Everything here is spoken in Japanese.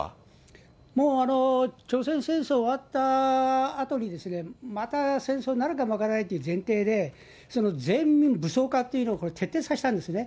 もう朝鮮戦争が終わったあとに、また戦争になるかも分からないという前提で、全員武装化というのを徹底させたんですね。